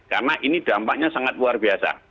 karena ini dampaknya sangat luar biasa